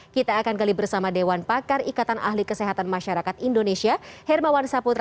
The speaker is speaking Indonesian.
kita akan gali bersama dewan pakar ikatan ahli kesehatan masyarakat indonesia hermawan saputra